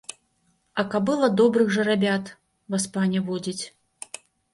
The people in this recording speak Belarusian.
А кабыла добрых жарабят, васпане, водзіць.